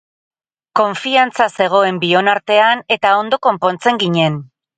Konfiantza zegoen bion artean eta ondo konpontzen ginen.